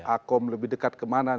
akom lebih dekat kemanaan